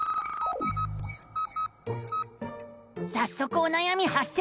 さっそくおなやみはっ生！